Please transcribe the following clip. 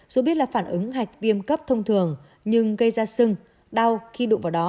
dù biết là phản ứng hạch viêm cấp thông thường nhưng gây ra sưng đau khi đụng vào đó